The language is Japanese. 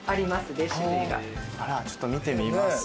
あらちょっと見てみますか。